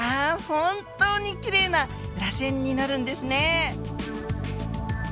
本当にきれいならせんになるんですね。